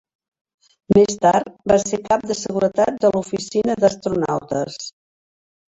Més tard, va ser cap de seguretat de l'Oficina d'Astronautes.